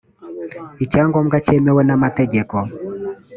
icyangombwa cyemewe n amategeko